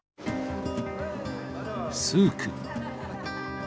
スーク。